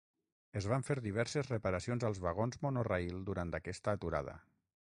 Es van fer diverses reparacions als vagons monorail durant aquesta aturada.